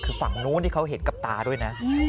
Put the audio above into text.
คือฝั่งนู้นที่เขาเห็นกับตาด้วยนะ